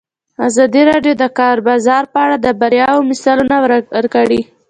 ازادي راډیو د د کار بازار په اړه د بریاوو مثالونه ورکړي.